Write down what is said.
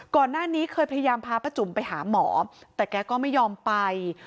ก่อนหน้านี้เคยพยายามพาป้าจุ๋มไปหาหมอแต่แกก็ไม่ยอมไป